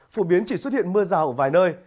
phổ biến chỉ xuất hiện mưa rào ở vài nơi